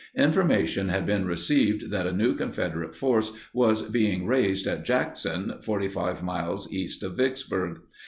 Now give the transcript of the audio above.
Information had been received that a new Confederate force was being raised at Jackson, 45 miles east of Vicksburg.